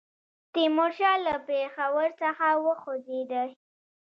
تیمورشاه له پېښور څخه وخوځېدی.